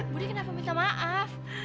budi kenapa minta maaf